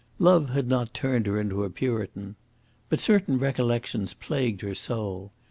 Love had not turned her into a Puritan. But certain recollections plagued her soul.